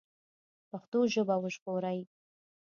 پښتو ژبه وژغورئ